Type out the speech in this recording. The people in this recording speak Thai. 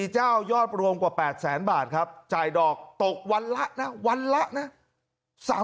เจ้ายอดรวมกว่า๘แสนบาทครับจ่ายดอกตกวันละนะวันละนะ